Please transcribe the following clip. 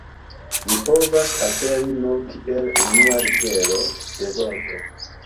Ĝi povas aperi nur kiel unua litero de vorto.